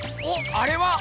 あれは。